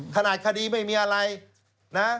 คดีไม่มีอะไรนะ